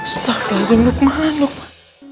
astaghfirullahaladzim lukman lukman